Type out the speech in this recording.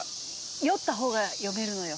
酔った方が詠めるのよ。